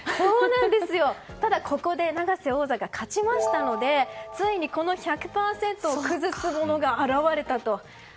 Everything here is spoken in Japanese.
ただ、ここで永瀬王座が勝ちましたのでついに、この１００％を崩す者が現れたと。